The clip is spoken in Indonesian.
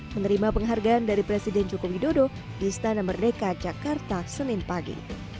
menerima penghargaan dari presiden joko widodo di istana merdeka jakarta senin pagi